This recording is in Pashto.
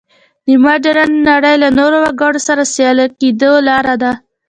د مډرنې نړۍ له نورو وګړو سره سیال کېدو لاره ده.